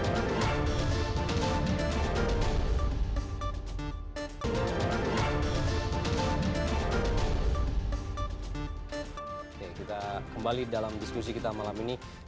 oke kita kembali dalam diskusi kita malam ini